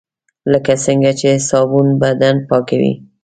لکه څنګه چې صابون بدن پاکوي .